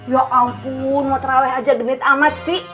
ya ampun mau terawih aja gemit amat sih